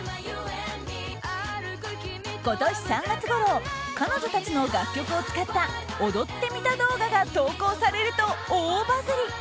今年３月ごろ彼女たちの楽曲を使った踊ってみた動画が投稿されると大バズり。